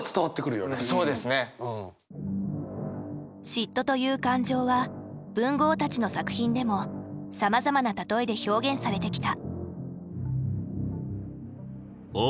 嫉妬という感情は文豪たちの作品でもさまざまなたとえで表現されてきた。